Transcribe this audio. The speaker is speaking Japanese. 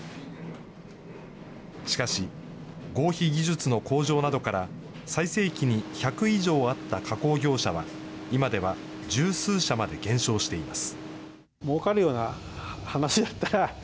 しかし、合皮技術の向上などから、最盛期に１００以上あった加工業者は、今では十数社まで減少しています。